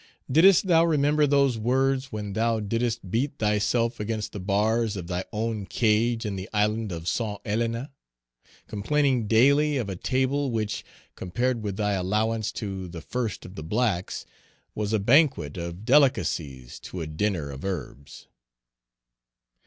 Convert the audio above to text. Didst thou remember those words when thou didst beat thyself against the bars of thy own cage in the island of St. Helena, complaining daily of a table which, compared with thy allowance to "the first of the blacks," was a banquet of delicacies to "a dinner of herbs!"